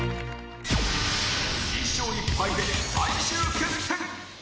１勝１敗で最終決戦